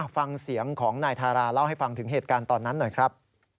ฟังเสียงของนายทาราเล่าให้ฟังถึงเหตุการณ์ตอนนั้นหน่อยครับ